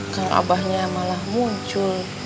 kan abahnya malah muncul